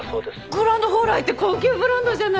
グランドホーライって高級ブランドじゃない。